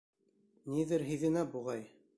Ниҙер һиҙенә буғай.